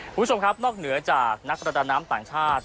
คุณผู้ชมครับนอกเหนือจากนักประดาน้ำต่างชาติ